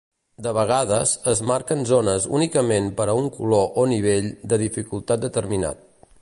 De vegades, es marquen zones únicament per a un color o nivell de dificultat determinat.